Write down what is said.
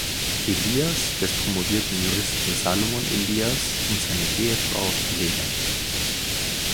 Elias des promovierten Juristen Salomon Elias und seine Ehefrau Helene.